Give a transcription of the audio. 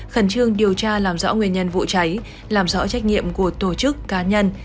khẩn trương điều tra làm rõ nguyên nhân vụ cháy làm rõ trách nhiệm của tổ chức cá nhân